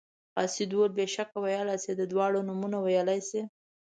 قاصد وویل بېشکه ویلی شي دواړه نومه ویلی شي.